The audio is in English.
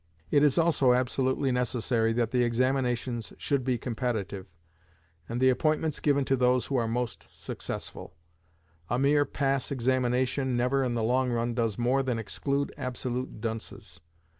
It is also absolutely necessary that the examinations should be competitive, and the appointments given to those who are most successful. A mere pass examination never, in the long run, does more than exclude absolute dunces.